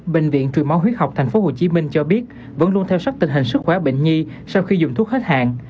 bệnh viện truyền máu huyết học tp hcm cho biết vẫn luôn theo sát tình hình sức khỏe bệnh nhi sau khi dùng thuốc hết hàng